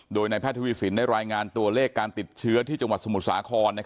โดยนายแพทย์ทวีสินได้รายงานตัวเลขการติดเชื้อที่จังหวัดสมุทรสาคร